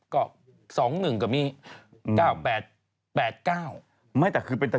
คุณคิดดู๙๒๑แล้วก็๒เมตร